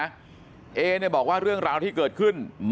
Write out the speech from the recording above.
มันต้องการมาหาเรื่องมันจะมาแทงนะ